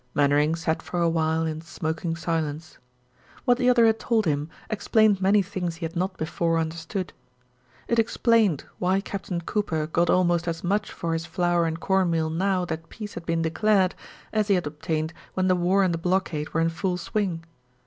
Mainwaring sat for a while in smoking silence. What the other had told him explained many things he had not before understood. It explained why Captain Cooper got almost as much for his flour and corn meal now that peace had been declared as he had obtained when the war and the blockade were in full swing.